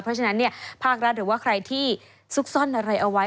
เพราะฉะนั้นเนี่ยภาครัฐหรือว่าใครที่ซุกซ่อนอะไรเอาไว้